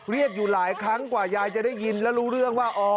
อยู่หลายครั้งกว่ายายจะได้ยินแล้วรู้เรื่องว่า